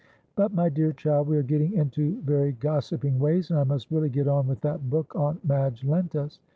But, my dear child, we are getting into very gossiping ways, and I must really get on with that book Aunt Madge lent us."